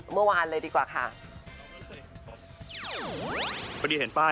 เมื่อวานเลยดีกว่าค่ะ